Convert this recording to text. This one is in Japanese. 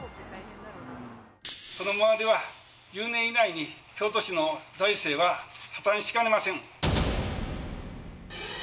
このままでは、１０年以内に京都市の財政は破綻しかねません。